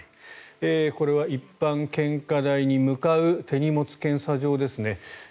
これは一般献花台に向かう手荷物検査場ですね。